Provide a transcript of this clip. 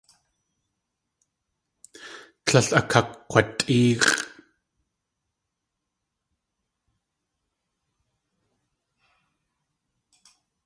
Tlél akakg̲watʼéex̲ʼ.